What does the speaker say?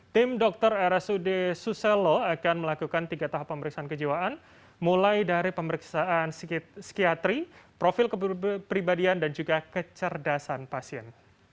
tim dokter rsud suselo akan melakukan tiga tahap pemeriksaan kejiwaan mulai dari pemeriksaan psikiatri profil kepribadian dan juga kecerdasan pasien